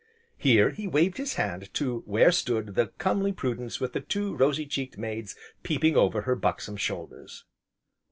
Here, he waved his hand to where stood the comely Prudence with the two rosy cheeked maids peeping over her buxom shoulders.